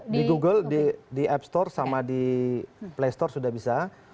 di google di app store sama di play store sudah bisa